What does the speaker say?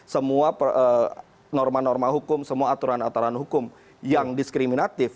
semua norma norma hukum semua aturan aturan hukum yang diskriminatif